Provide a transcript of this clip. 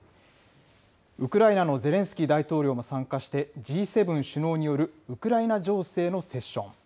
ウクライナのゼレンスキー大統領も参加して、Ｇ７首脳によるウクライナ情勢のセッション。